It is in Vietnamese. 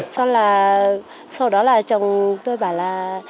sau đó là chồng tôi bảo là